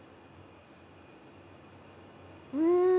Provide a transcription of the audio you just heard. うん！